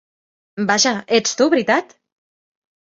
Vaja, ets tu, veritat?